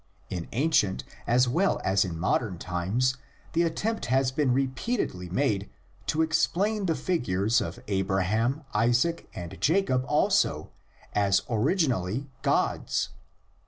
In ancient as well as in modern times the attempt has been repeatedly made to explain the figures of Abraham, Isaac, and Jacob also as originally gods.